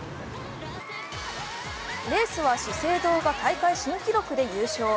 レースは資生堂が大会新記録で優勝。